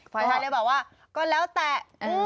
ฝ่ายชายเลยบอกว่าก็แล้วแต่